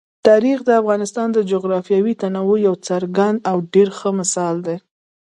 تاریخ د افغانستان د جغرافیوي تنوع یو څرګند او ډېر ښه مثال دی.